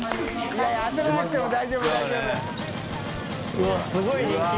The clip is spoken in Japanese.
うわすごい人気。